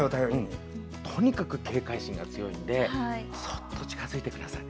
とにかく警戒心が強いのでそっと近づいてください。